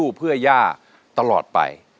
ที่สู้เพื่อย่าตลอดไป